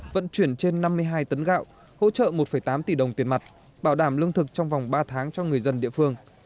vận chuyển trên năm mươi hai tấn gạo hỗ trợ một tám tỷ đồng tiền mặt bảo đảm lương thực trong vòng ba tháng cho người dân địa phương